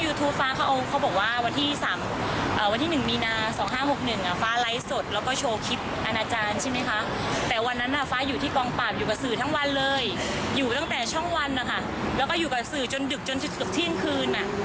อยู่ตั้งแต่ช่องวันนะคะแล้วก็อยู่กับสื่อจนดึกจนถึงคืน